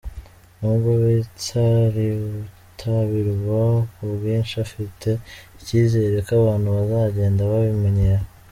Nubwo bitaritabirwa ku bwinshi afite icyizere ko abantu bazagenda babimenyera.